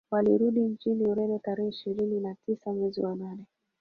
Walirudi nchini Ureno Tarehe ishirini na tisa mwezi wa nane